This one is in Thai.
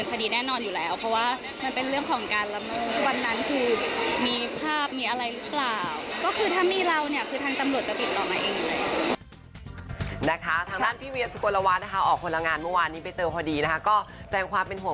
แต่คือถ้ามีหลักฐาหรืออะไรอย่างนี้ก็คือเบลล์ดำเนินคดีแน่นอนอยู่แล้ว